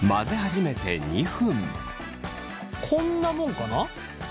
こんなもんかな。